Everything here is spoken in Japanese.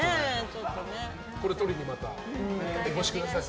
これとりに、またお越しください。